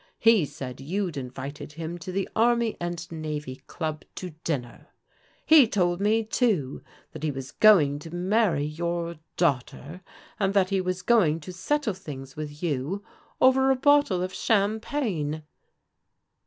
He said you'd invited him to the Army and Navy Club to dinner. He told me, too, that he was going to marry your daughter and that he was going to settle things with you over a bottle of champagne."